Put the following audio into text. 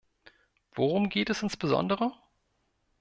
Worum geht es insbesondere?